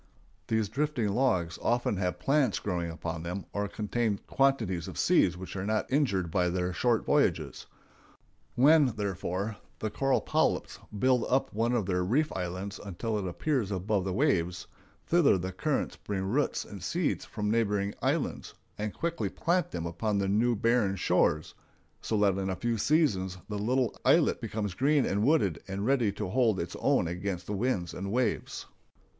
] These drifting logs often have plants growing upon them or contain quantities of seeds which are not injured by their short voyages. When, therefore, the coral polyps build up one of their reef islands until it appears above the waves, thither the currents bring roots and seeds from neighboring islands, and quickly plant them upon the new barren shores, so that in a few seasons the little islet becomes green and wooded and ready to hold its own against the winds and waves.